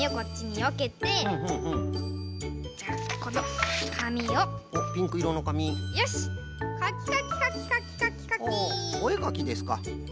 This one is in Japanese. おえかきですか。